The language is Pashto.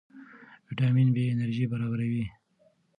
ویټامین بي انرژي برابروي.